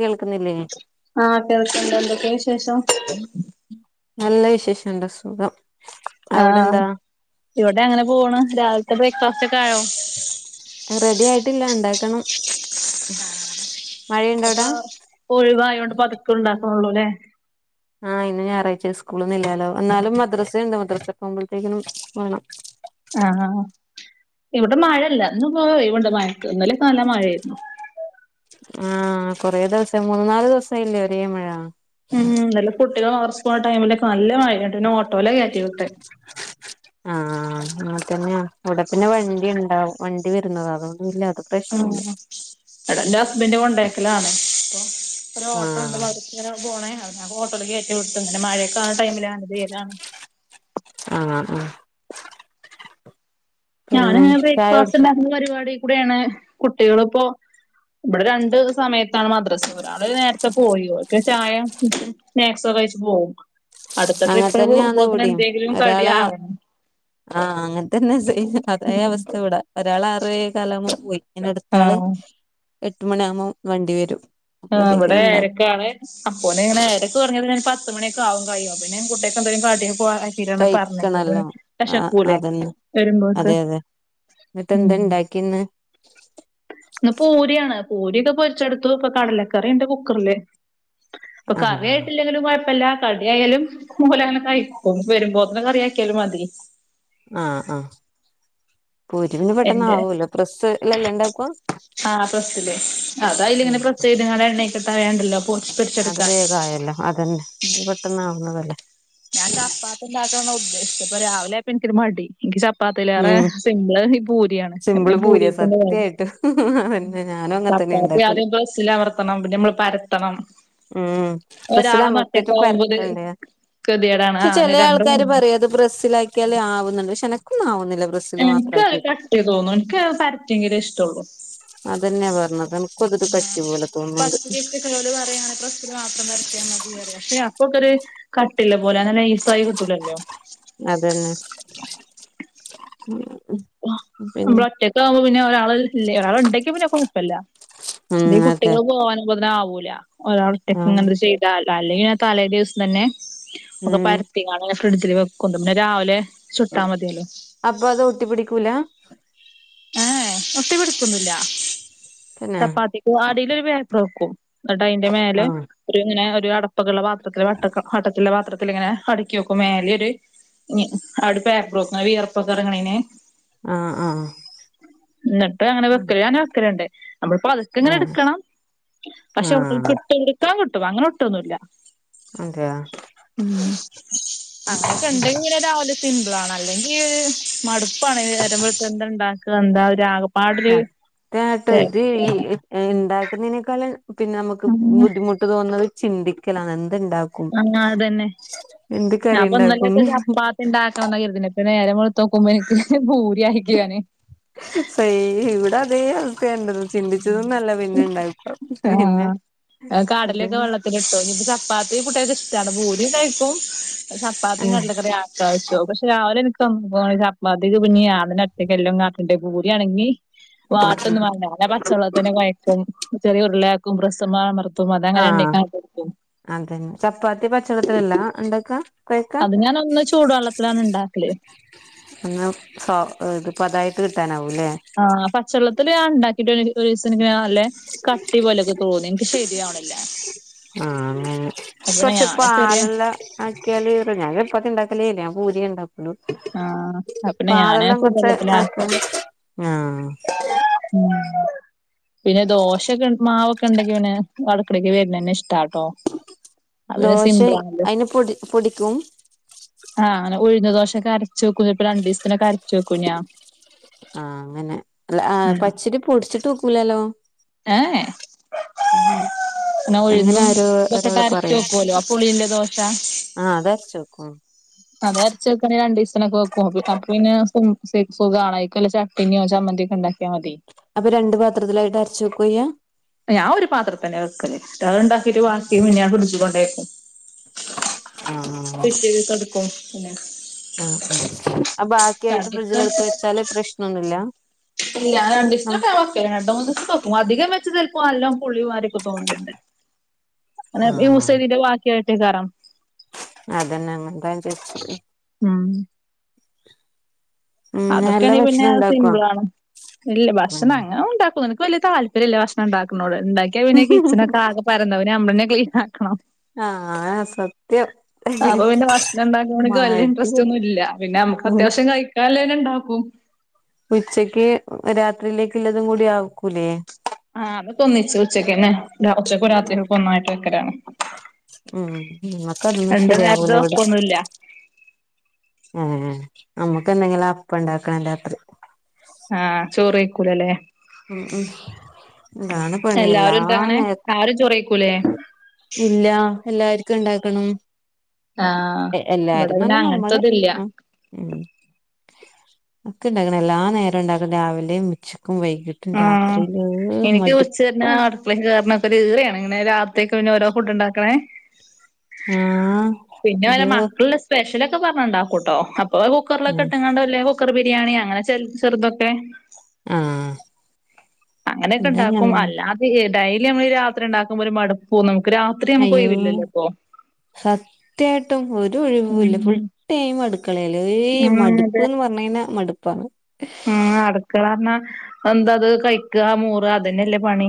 കേൾക്കുന്നില്ലേ ആഹ് കേൾക്കണ്ട് എന്തൊക്കെ വിശേഷം നീ നല്ല വിശേഷണ്ട് സുഖം ആഹ് അവിടെന്താ ഇവടെ അങ്ങനെ പോണ് രാവിൽത്തെ ബ്രേക്ക്ഫാസ്റ്റ് ഒക്കെ ആയോ റെഡി ആയിട്ടില്ല ഉണ്ടാക്കണം മഴയുണ്ട അവിടെ ഇപ്പൊ ഒഴിവായോണ്ട് പതുക്കെ ഉണ്ടാക്കുന്നുള്ളൂ ല്ലേ ആഹ് ഇന്ന് ഞായറാഴ്ച സ്കൂൾ ഒന്നും ഇല്ലല്ലോ എന്നാലും മദ്രസ്സുണ്ട് മദ്രസ്സക്കെ ആകുമ്പോഴത്തേക്കും വേണം ആഹ് ഇവടെ മഴല്ല ഇന്ന് പോയ [unintelligible] കൊണ്ട് മഴക്ക് ഇന്നലെ നല്ല മഴയായിരുന്നു ആഹ് കൊറേ ദിവസം മൂന്നു നാല് ദിവസായ്ല്ലേ ഒരേ മഴ ഉം ഇന്നലെ കുട്ടികൾ അവർ സ്കൂ ടൈമിലൊക്കെ നല്ല മഴ [unintelligible] പിന്നെ ഓട്ടോയിലാക്കയറ്റി വിട്ടേ ആഹ് ആഹ് അങ്ങൻ തന്നെയാ അവ്ടെ പിന്നെ വണ്ടിണ്ടാവും വണ്ടി വരുന്നത് [unintelligible] ആഹ് എടന്റെ ഹസ്ബൻ്റ് കൊണ്ടേയാക്കലാണ് അപ്പ ഒരു ഓട്ടോ ഉണ്ട് ആഹ് മദ്രസ്‌ക്ങ്ങനെ പോണ [unintelligible] ഓട്ടോല് കയറ്റി വിട്ട് ങ്ങനെ മഴയൊക്കെ ആവ്ണ ടൈമിലാ [unintelligible] ആഹ് ആഹ് പിന്നെ ഞാനിങ്ങനെ ചായ ബ്രേക്ക്ഫാസ്റ്റ് കുടിച്ചോ ഉണ്ടായിരുന്ന പരിപാടി കൂടെയാണ് കുട്ടികളിപ്പോ ഇവടെ രണ്ട് സമയത്താണ് മദ്രസ് ഒരാള് നേരത്തെ പോയി ഓക്ക് ചായ നാക്‌സൊക്കെ കഴിച്ച് പോകും അടുത്ത അങ്ങനെ ട്രിപ്പിൽ തന്നെയാന്ന് പോകുമ്പോത്തിന് ഇവിടെയും എന്തെങ്കിലും ഒരാള് കടിയാവണം ആഹ് അങ്ങൻ തന്നെ സെയിം അതേ അവസ്ഥ ഇവട ഒരാൾ ആറേ കാലാവുമ്പോ പോയി അട്ത്താള് ആഹ് എട്ട് മണിയാവുമ്പോ വണ്ടി വരും ആഹ് ഇവടെ അപ്പോഴത്തേക്കിനും ഉണ്ടാ ഏഴരക്കാണ് അപ്പോന് ഇങ്ങനെ ആ പറഞ്ഞത് ഞാ പത്ത് മണിയൊക്കെ ആവും കഴിയോ പിന്നെ കുട്ടിയാക്ക് എന്തങ്കിലും കടി പോ തീരാണ് പർഞ്ഞിട്ട്ട് കഴിക്കണല്ലോ ആഹ് പെശക്കൂലെ അതന്നെ വരുമ്പോക്ക് ഉം കിന്ന് ഇന്ന് പൂരിയാണ് പൂരിയൊക്കെ പൊരിച്ചെടുത്തു ഇപ്പൊ കടലക്കറിണ്ട് കുക്കർല് അപ്പൊ ആഹ് കറിയായിട്ടില്ലെങ്കിലും കൊഴ്‌പ്പല്ല കടി ആയാല്ലും ഒൽ അങ്ങനെ കഴിക്കും വരുമ്പോത്തനെ കറി ആക്കിയാലും മതി ആഹ ആഹ പൂരി പിന്നെ പെട്ടെന്ന് എന്റെ ആവുമല്ലോ പ്രെസ്സ് അല്ലെ ഉണ്ടാക്കുവ ആ പ്രസ്സില് അത അതിലിങ്ങനെ പ്രസ് ചെയ്ത്ങ്ങ എണ്ണക്കെ തടേണ്ടല്ലോ പൊരിച്ചെടുക്കാണ് തായല്ലോ അതന്നെ പെട്ടന്നാവുന്നാ ലെ ഞാൻ ചപ്പാത്തി ഉണ്ടാക്കാനഉദേശിച്ചേ പിന്നെ രാവിലെ ആയപ്പോ എനിക്കൊരു മടി എനിക്ക് ചപ്പാത്തിലെറേ ഉം സിമ്പിള് ഈ പൂരിയാണ് എ പൂരിക്ക വേ ഉ പിന്നെ ഞാനും അങ്ങത്തന്നെ ഉണ്ടാക്കില് സിലമർത്തണം പിന്നെ നമ്മൾ പരത്തണം ഉം പ്രസ്സിൽ ഒരാളൊന്ന് അമർത്തിട്ടും ഒറ്റക്കാവുമ്പോ ഇത് പരത്തണ്ടേ ഗതികേടാണ് പക്ഷെ ആ അങ്ങനെ ചില രണ്ടും ആൾക്കാര് പറയാ അത് പ്രെസ്സിൽ ആക്കിയൽ ആവുന്നുണ്ട് പക്ഷെനക്കൊന്നും ആവുന്നില്ല ബ്രസ്സില് മാത്രം എനിക്ക് ആക്കിയിട്ട് കട്ടിയായി തോന്നുന്നു എനിക്ക് പരത്തിങ്കിലേ ഇഷ്ടള്ളു അതന്നെയാ പറഞ്ഞത് ഇൻക്കും അത് കട്ടി പോലെ തോന്നുന്നുണ്ട് ലോൽ പറയും അങ്ങനെ പ്രസ്സിൽ മാത്രം പരത്തിയാമതി പക്ഷെ അപ്പൊക്ക ഒരു കട്ടില്ല പോലെ അങ്ങനെ ഈസ ആയി കിട്ടൂലല്ലോ അതന്നെ മം ന് ഞമ്മള് ഒറ്റൊക്കെ ആവുമ്പോ പിന്നെ ഒരാള് ഇല്ല ഒരാള ഉണ്ടങ്കി പിന്നെക്കെ കുഴപ്പമില്ല ഇത് ഉം അതെ കുട്ടികൾ പോവാനാവുമ്പോതിന്ന് ആവൂല ഒരാൾ ആ ഒറ്റക് ഇങ്ങനെ ചെയ്താല അല്ലെങ്കിൽ തലേ ദിവസം തന്നെ ഒക്കെ ഉം പര ഫ്രിഡ്ജിൽ വെക്കും രാവിലെ ചുട്ടാ മതിയല്ലോ അപ്പ അത് ഒട്ടി പിടിക്കൂല ഏ ഒട്ടി പിടിക്കുന്നില്ല പിന്നെ ചപ്പാത്തിക്ക അടിലൊരു പേപ്പർ വെക്കും എന്നിട്ട് അതിന്റെ മേലെ ആഹ് ഒരു ഇങ്ങനെ ഒരു അടപ്പകുള്ള പാത്രത്തില്ൽ വട്ട വട്ടത്തിലുള്ള പാത്രത്തിൽ ഇങ്ങനെ അടക്കി വെക്കും മേല ഒരു അവിടെ പേപ്പർ വെക്കും ആ വിയർപ്പൊക്കെറങ്ങ്ണേന് ആഹ് ആഹ് ന്നട്ട് അങ്ങനെ വെക്കല് ഞാങ്ങനെ വെക്കല്ണ്ട് അമ്മള് പത്കെങ്ങനെ ആഹ് ഇട്ക്കണം പക്ഷെ ആഹ് കിട്ടും ഇടക്കാൻ കിട്ടും അങ്ങനൊട്ടുവൊന്നുല്ല അതെയ മ്മ് അങ്ങനൊക്കെ ഇണ്ടെങ്കി രാവില സിംമ്പിളാണ് അല്ലെങ്കി മടുപ്പാണ് ഈ നേരംവെളുത്ത എന്താ ഇണ്ടാക്ക എന്താ ഒരു ഒരാകാപ് സത്യായിട്ടും [unintelligible] ഇണ്ടാക്കുന്നതിനേക്കാള് പിന്നെ അമക്ക് ഉം ബുദ്ധിമുട്ട് തോന്ന്നത് ചിന്തിക്കലാണ് എന്തുണ്ടാക്കും ആ അതന്നെ എന്ത് കറി ഞാപ്പ ഇന്നലക്കെ ഉണ്ടാക്കും ചപ്പാത് ഇണ്ടാക്കണം ഇപ്പം നേരം വെൾത്തോകുമ്പ ഇൻക് ബൂര് സെയിം ഇവിടെ അതെ അവസ് ണ്ട് ചിന്തിച്ചതൊന്നു അല്ല പിന്നെണ്ടാക്ക പിന്നെ ആഹ് കടലൊക്കെ വള്ളത് ട്ടോ ഇഞ്പം ചപ്പാത്തി കുട്ട്യാൾക്ക് ഇഷ്ടാണ് ഭൂരി കയികും ചപ്പാത്തി ആഹ് കടല കറിം ആ കയിച്ചോളും പക്ഷേ രാവിലെന്നെ [unintelligible] ഈ ചപ്പാത്തി പഞ് ഞാതെനെ ഒറ്റകെല്ലംണ്ടാകണ്ടെ ബൂരിയാണെങ്കി വാട്ടൊന്നും വാണ്ട അതാ പച്ചള്ളത്തിലെന്നെ കൊയക്കും ചെറിയ ഉരുളാക്കും പ്രെസ്സ്മൽ അമർ ത്തും ആഹ് അതങ്ങനെണ്ണീകാട്ട്ട്ടൊട്കും അതന്നെ ചപ്പാത്തി പച്ചള്ളത്തിലല്ല ഇണ്ടാക്കാ കൊഴക്കാ അത് ഞാനൊന്ന് ചൂടുവെള്ളത്തിലാണ് ഇണ്ടാക്കല് ഒന്ന് സോ ഏ ഇത് പതായിട്ട് കിട്ടാനാവൂല്ലേ ആഹ് പച്ചള്ളത്തിൽ ഞാൻ ഇണ്ടാക്കീട്ട് ഒരു ദിവസം ഇൻക്ക് നല്ലെ കട്ടി പോലെയൊക്കെ തോന്നി ഇൻക്ക് ശെരിയാവ്ണ്ല്ല ആഹ് അങ്ങനെ അപ്പപിന്നെ ഞാനും ചെറിയേ ആക്യാലേറും ഞാൻ ചപാത്തിണ്ടാക്കലേല്ല ഞാൻ പൂരിയേ ഇണ്ടാകു ആഹ് [unintelligible] അപ്പ പിന്നെ ഞാന് പാലെല്ലാം കൊർച്ച് ചൂടുവെള്ളത്തിലാക്കാ ആക്കിണ് ആഹ് ഉം പിന്നെ ദോശൊക്കെ ഇണ്ട് മാവൊക്കെ ഇണ്ടെങ്കി പിനെ അടുക്കളെക്ക് വെര്ണെന്നെ ഇഷ്ടാട്ടോ അത് പിന്നെ ദോശേം സിമ്പിളാണല്ലോ അയിന് പൊടി പൊടിക്കും ആഹ് അങ്ങനെ ഉഴുന്ന് ദോശക്കരച്ച് വെക്കും ചെൽപ്പൊ രണ്ടീസത്തിനൊക്കെ അരച്ചു വെക്കും ഞാൻ ആഹ് അങ്ങനെ അല്ല ആ ഉം പച്ചരി പൊട്ച്ചിട്ട് വെക്കൂലല്ലോ ഏ ഏഹ് ഇങ്ങനെ അങ്ങനെ ഉഴുന്നും ആരോ ഒരാള് ഇതൊക്കെട്ടരച്ച് പറയും വെക്കോല്ലോ ആ പുളിയുള്ള ദോശ ആഹ് അരച്ച് വെക്കും അത് അരച്ച് വെക്കാണെ രണ്ടീസതിനൊക്കെ വെക്കും അപ്പ പിന്നെ സിം സുഖാണേയ് അയ്ക്കും ഇല്ലെ ചാ ട്ടിന്നോ ആ ചമ്മന്തിയൊ ഒക്കെ ഉണ്ടാക്കിയാ മതി അപ്പം രണ്ട് പാത്രത്തിലായിട്ട് അരച്ചു വെക്കുവേ ഇയ്യ് ഞാൻ ഒരു പാത്രതെന്ന വെക്കല് അത് ഇണ്ടാക്കീട്ട് വാക്കി പിന്ന ഞാൻ ഫ്രഡ്ജ് കൊണ്ടോയെക്കും ആഹ് പിറ്റേദിവസം എടുക്കും പിന്നെ ആഹ് ആഹ് ആത് ബാക്കിയായിട്ട് കണ്ടിട്ട് ഫ്രിഡ്ജിലെടുത്ത് വെച്ചാല് പ്രശ്നൊന്നുല്ല ഇല്ല ഉം രണ്ടീസൊക്കെ ഞാൻ വക്കല് രണ്ട് മൂന്നീസൊക്കെ വെക്കും അധികം വെച്ച ചെലപ്പം നല്ലോം പുളിമാര്യൊക്കെ തോന്നല്ണ്ട് അങ്ങനെ യൂസെയ്തീൻ്റെ വാക്കിയായിട്ടേകാരം അതന്നെ അങ്ങനതാ ഞാൻ ചോയിച്ചേ ഉം അതൊക്കെയാണെങ്കി പിന്നെ സിംമ്പിളാണ് ഇല്ല ഭക്ഷണം ഉം അങ്ങനൊന്നും ഈണ്ടാക്കൊന്നുല്ല ഇൻക് വെല്ല്യതാൽപര്യല്ല ഭക്ഷണംണ്ടാക്ണത് ഇണ്ടാകിയാ പിന്നെ കിച്ചണൊക്കാ ആകെ പരന്നോവും പിന് നനെമ്മളെന്നെ ക്ലീനാകണം ആഹ് ആഹ് നസം അപ്പം പിന്നെ ഭക്ഷണം ഇണ്ടാക്കൽനോട് ഇൻക്ക് വല്ല്യ മടി ഇൻട്രെസ്റ്റൊന്നുല്ല പിന്നെ അമക്ക് ഉം അത്യാവശ്യം കയിക്കാല്ലെന്നെ ഇണ്ടാക്കും ഉച്ചക്ക് രാത്രിയിലേക്ക് ഇള്ളതും കൂടി ആക്കൂലേ ആഹ് അതൊക്കൊന്നിച്ച് ഉച്ചക്കെന്നെ ഉച്ചക്കും രാത്രിക്കെകും ഒന്നായിട്ട് വെക്കലാണ് ഉം ഞങക്കതൊന്നും രണ്ട് ശെരിയാവൂല നേരത്തെ ഇവടെ വെപ്പൊന്നുല്ല ഏഹ് ഞമ്മക്ക് എന്തെങ്കിലും അപ്പണ്ടാക്കണം രാത്രി അഹ് ചോർ കയിക്കൂല അല്ലേ ഉം ഉം അതാണ് പണി എല്ലാരു എല്ലാ ഉണ്ടങ്ങനെ നേര ആരും ചോർ ഇല്ല എല്ലാർക്കും ഇണ്ടാക്കണം ആഹ് ഇവിടെ എല്ലാരന്ന് പിന്നെ പറഞ്ഞാ നമ്മള് അങ്ങനത്തെതില്ല ഏഹ് അന്ക്ക് ഇണ്ടാക്കണം എല്ലാ നേരം ഇണ്ടാക്കണം രാവിലെ ഉച്ചക്കും വൈ ആഹ് രാത്രിയില് മടുപ്പാ ഉള്ളി കേറുനാകെ ഒരു ഈറയാണ് ഇങ്ങനെ രാത്രിക്കെ പിന്നെ ഓരോ ഫുഡ്ണ്ടാക്കണേ ആഹ് പിന്നെ ഓല അയ്യോ മക്കളുള്ള സ്പെഷ്യലൊക്കെ പറഞാ ഉണ്ടാക്കൂട്ടോ അപ്പൊ ഉം കുക്കറൊക്കെട്ടങ്ങണ്ടല്ലേ കുക്കർ ബിരിയാണിയാ അങ്ങനെ ചെറു ചെറുതൊക്കെ അഹ് അങ്ങനെയൊക്കെ ഇണ്ടാക്കും അല്ലാതെ ഡെയിലി നമ്മള് രാത്രി ഇണ്ടാക്കുമ്പോൾ ഒരു മടു പോന്നും നമുക്ക് രാത്രി നമുക്ക് ഒഴിവില്ലല്ലോ ഇപ്പൊ സത്യമായിട്ടും ഒരു ഒഴിവൂല്ല ഫുൾ ഉം ടൈം അടുക്കളല്ലേ ഏയ് ഉം അതെ മടുപ്പ് എന്ന് പറഞ്ഞ കഴിഞ്ഞാൽ മടുപ്പാണ് ഉം അടുക്കള പറഞ്ഞാ എന്താത് കഴിക്കുക മേറ അത് തന്നെയല്ലേ പണി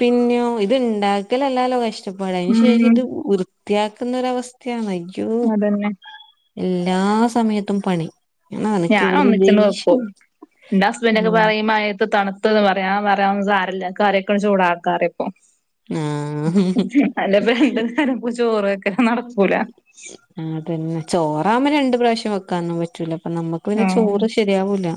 പിന്നെയോ ഇത് ഇണ്ടാക്കലല്ലാലോ കഷ്ടപ്പാട അയിന് ശേഷം ഉം ഇത് വൃ ത്തിയാക്കുന്നരവസ്ഥയാണ് അയ്യോ അതന്നെ എല്ലാ സമയത്തും പണി ഞാ എനക്ക് ഞാൻ ഇവിടുന്ന് ഒന്നിച്ചെന്ന് ദേഷ്യം വെക്കും ഇന്റെ ഹസ്ബൻഡ് ഒക്കെ ഉം പറയും ഈ മഴത്തെ തണു തണുപ്പ്ന്ന് പറയാ ഞാൻ പറയാ സാരില്ല കറിയൊക്കെ ചൂടക്കാ ഇപ്പൊ ആഹ് അല്ല രണ്ട് നേരം ചോറ് വെക്കൽ നടക്കൂല അതെനെ ചോറാക്കുബോ രണ്ട് പ്രാവശ്യം വെക്കൊന്നും പറ്റൂല ഇപ്പ നമ്മുക്ക് പിന്നെ ചോറ് ശരിയാവൂല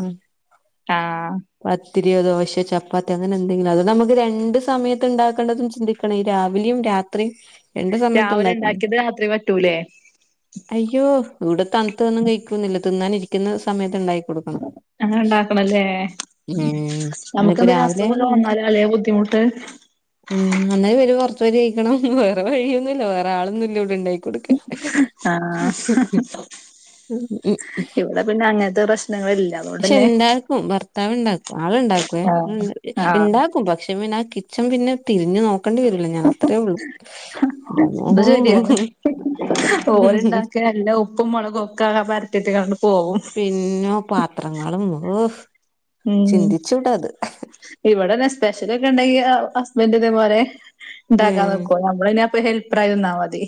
അഹ് പത്തിരിയോ ദോശയോ ചപ്പാത്തി അങ്ങനെ എന്തെങ്കിലും അതോ നമുക്ക് രണ്ട് സമയത്ത് ഉണ്ടാക്കേണ്ടതും ചിന്തി ക്കണേ രാവിലെയും രാത്രിയും രണ്ട് സമയത്ത് രാവിലെ ഉണ്ടാക്കണം ഇണ്ടാക്കിയത് രാത്രി പറ്റൂലേ അയ്യോ ഇവിടെ തണുത്തൊന്നും കഴിക്കുന്നില്ല തിന്നാൻ ഇരിക്കുന്ന സമയത്ത് ഇണ്ടായി കൊടുക്കണം അങ്ങനെ ഉണ്ടാക്കണല്ലേ ഉം നമുക്ക് അതിപ്പോ എന്തേലും രാവിലെ അസുഖൊക്കെ ആയാലും വന്നാല് അല്ലെ ബുദ്ധിമുട്ട് ഉം അന്നാല് ഇവര് പൊറത് പോയി കയിക്കണം വേറെ വഴിയൊന്നുല്ല വേറെ ആളൊന്നും ഇല്ല ഇവിടെ ഉണ്ടായി കൊടുക്കാൻ അഹ് ഉം ഇവിടെ പിന്നെ അങ്ങനത്തെ പ്രശ്നങ്ങളില്ല പക്ഷെ അതുകൊണ്ടന്നെ ഇണ്ടാക്കും ഭർത്താവ് ഉണ്ടാക്കും ആളുണ്ടാക്കുവേ ആഹ് ആഹ് ഉണ്ട ക്കു പക്ഷെ പിന്നെ ആ കിച്ചൺ പിന്നെ തിരിഞ്ഞു നോ ക്കണ്ടി വരില്ല ഞാ അത്രേ ഉള്ളു അത് ശരിയാണ് ഇല്ല ഉപ്പും മുളകും ഒഒക്കെങ്ങനാ പരതിട്ടാണ്ട് അങ് പോകും പിന്നെ പാത്രങ്ങളും ഒഹ് ഉം ചൂട്ടത് ഇവിടെ സ്പെഷ്യൽ ഒക്കെ ഉണ്ടെങ്കി ഹസ്ബൻഡ് ഇതേ പോലെ ഉണ്ടാക്കാൻ ഏഹ് നിക്കു നമ്മൾ പിന്നെ ഹെൽപ്പറായി നിന്നാൽ മതി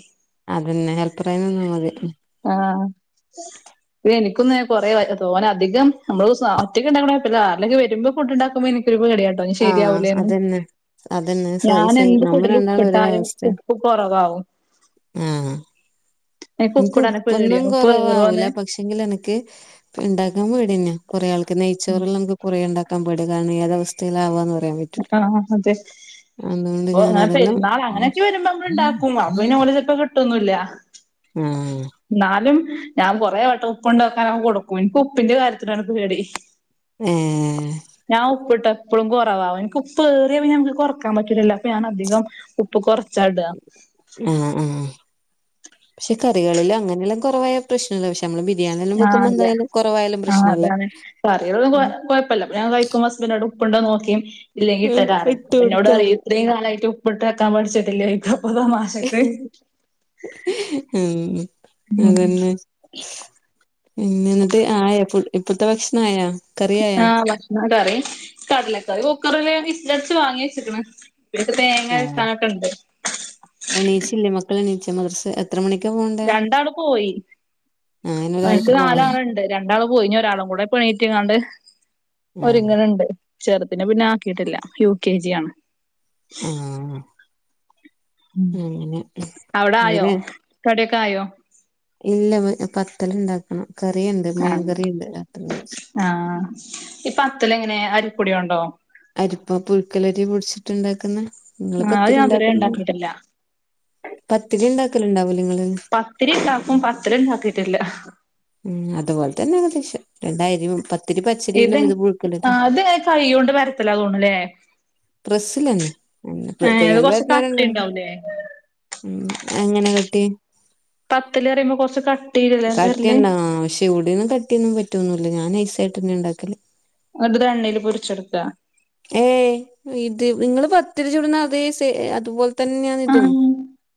അതനെ ഹെൽപ്പറായി നിന്നാൽ മതി ആഹാ എ എനിക്കൊന്ന് കുറേ ഓർ അധികം നമ്മള്സ ഒറ്റക് ഉണ്ടാക്കണ കൊയ്‌പില്ലാ ആരെങ്കിലൊക്കെ വരുമ്പോ ഫുഡ് ഉണ്ടാക്കുമ്പോ എനി ഒരു പേടിയാണ് ആഹ് ശെരിയാവൂലെനു അതന്നെ അതന്നെ സോ ഈ ഞാൻ സെയിം എന്ത് നമ്മ ഫുഡിലും രണ്ടാളും ഒരേ ഉപ്പിട്ടാലും അവസ്ഥയാ ഉപ്പ് കൊറവാവും ആഹ് എനിക്ക് ഉപ്പിടാൻ ഉപ്പൊന്നും പേടിയാണ് ഉപ്പ് കൊറവാവൂല ഏറോന്ന് പക്ഷെ എങ്കിലും എനക്ക് ഇണ്ടാക്കാൻ പേടിയന്നെയാ കൊറെ ആൾക്ക് നെയ്‌ച്ചോറലോ എനക്ക് കുറെ ഇണ്ടാക്കാൻ ടുകാണ് ഏതവസ്ഥയിലവാന്ന് പറയാൻ പ ആഹാ അതെ ഓ ഞാൻ അങ്ങനെ അതെല്ലാം പെരുന്നാൾ അങ്ങനെയൊക്കെ വരുമ്പോ നമ്മൾ ഇണ്ടാക്കും അപ്പൊ പിന്ന ഒരേ ചിലപ്പോ കിട്ടന്നുല്ല അഹാ എന്നാലും ഞാൻ കൊറേ വട്ടം ഉപ്പ് ഉണ്ടോ നോക്കാൻ കൂടെ പോകും എനിക്ക് ഉപ്പിന്റെ കാര്യത്തില നിക്ക് പേടി ഏ ഞാൻ ഉപ്പിട്ട് എപ്പളും കൊറവാവും എനിക്ക് ഉപ്പ് ഏറിയ പിന്ന ഞമ്മക്ക് കൊറക്കാൻ പറ്റില്ലല്ലോ അപ്പൊ ഞാൻ അധികം ഉപ്പ് കൊറച്ചാ ഇടാ ആഹാ ആഹാ പക്ഷെ കറികളില് അങ്ങനെല്ലാം കൊറവായ പ്രശ്നല്ല പഷേ നമ്മള് ബിരിയാണിയെല്ലാം ആഹ് വെക്കുമ്പോ എന്തായാലും കൊറവാലും പ്രശ്നല്ല കറിയേളൊന്നും കൊ കൊയപ്പല്ല ഞാൻ കയിക്കുമ്പോ ഹസ്ബന്റിനോട് ഉപ്പിണ്ടോ നോക്കിയേ ഉം ഇല്ലെങ്കിട്ടെരാ പറയും ഇട്ട് അപ്പ എന്നോട് കൊടുത്താ പറയും മതി. ഇത്രയും കാലായിട്ട് ഉപ്പിട്ട് വെക്കാൻ പഠിച്ചിട്ടില്ലേ തമാശക്ക് ഉം ഉം അതന്നെ പിന്ന എന്നിട്ട് ആയാ ഇപ്പത്തെ ഭക്ഷണം ആയാ ആ കറിയായാ ഭക്ഷണം കറി കടലക്കറി കുകറില് വിസലടിച്ച് വാങ്ങി വച്ചിക്കണ് പിന്നെ ഇതിക് തേങ്ങ ആഹ് അരക്കാനൊക്കെണ്ട് എണീച്ചില്ലേ മക്കള് എണീച്ച മദ്രസ എത്ര മണിക്ക പോണ്ട് രണ്ടാള് പോയി അയിന് എനിക്ക് ഒരാൾക്ക് പോവാൻ നാലാള്ണ്ട് രണ്ടാള് പോയി ഞ്ഞ് ഒരാളും കൂടെ എണീറ്റ്ങ്ങാണ്ട് ആഹ് ഒരിങ്ങണിണ്ട് ചെറുതിനെ പിന്നെ ആക്കിയിട്ടില്ല യു കെ ജി ആണ് ആഹാ ഉം അവടെ ആയോ ഇവര് കടിയൊക്കെ ആയോ ഇല്ല പത്തല് ഇണ്ടാക്കണം കറിയിണ്ട് മീൻകറിയിണ്ട് രാത്രിവെച്ച ആഹാ ഈ പത്തല് എങ്ങനെ അരിപ്പൊടിയോണ്ടോ അരിപ്പ പുഴുക്കലരി പൊടിച്ചിട്ടിണ്ടാക്കുന്നെ നിങ്ങള് ആഹ് അത് പത്തിരി ഞാൻ ഇതുവരെ ഉണ്ടാക്കുന്ന ഉണ്ടാക്കിയിട്ടില്ല പത്തിരി ഇണ്ടാക്കലിണ്ടാവുല്ലേ നിങ്ങള് പത്തിരി ഇണ്ടാക്കും പത്തല് ഇണ്ടാക്കിയിട്ടില്ല ഉം അതുപോലെ തന്നെ ഏകദേശം രണ്ടരിയും പത്തിരി പച്ചരിയിലും ഇത് പുഴുക്കലരിയിലും കൈയ്യോണ്ട് പരത്തല തോൻണ് ലേ പ്രസ്സ്ലന്നെ, തന്നെ ഏഹ് ഇത് കയ്യോണ്ട് കൊറച്ച് കട്ടി പരത്തണോരിണ്ട് ഉണ്ടാവൂലേ ഉം, എങ്ങനെ കെട്ടി? പത്ത്ല് അറിയുമ്പോ കൊറച്ച് കട്ടീല് അല്ലേ ബര്ല് ഇവിടൊന്നും കട്ടിയൊന്നും പറ്റൊന്നുല്ല. ഞാൻ നൈസായിട്ടന്നെ ഇണ്ടാക്കല്. ങ്ങട്ട്ത് ഒരെണ്ണേല് പൊരിച്ചെടുക്കാ. ഏയ്, ഇത് നിങ്ങള് പത്തിരിച്ചുടുന്ന അതേ സേ അതുപോലെ തന്നെയാണ് ഇതും. ആഹ്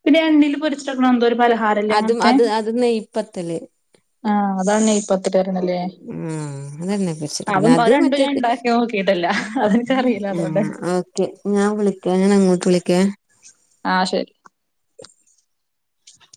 പിന്നെ എണ്ണില് പൊരിച്ചെടുക്കണ എന്തോ ഒരു പലഹാരല്ലേ അതും അങ്ങൻത്തെ? അത് അത് നെയ്പത്തല് ആഹ്, അതാണ് നെയ് പത്ത്ട്ട് പറീണ് ലെ. ആഹ് അതന്നെ അ വ പൊരിച്ചെടുക്കണെ അവ അത് രണ്ടും മറ്റേ ഞാൻ ഇണ്ടാ നോക്കിയിട്ടില്ല അത് ആഹ്, ഓക്കെ ഞാൻ വിളിക്കാ ഞാൻ അങ്ങോട്ട് വിളിക്കേ ആഹ് ശരി